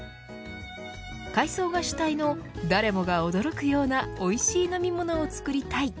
海藻が主体の誰もが驚くようなおいしい飲み物をつくりたい。